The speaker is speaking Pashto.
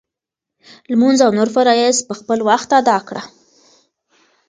لمونځ او نور فرایض په خپل وخت ادا کړه.